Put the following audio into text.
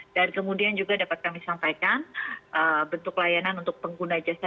kemudian juga dapat kami sampaikan bentuk layanan untuk pengguna jasa